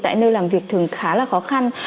tại nơi làm việc thường khá là khó khăn